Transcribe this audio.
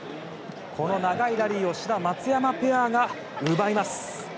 この長いラリーを志田、松山ペアが奪います。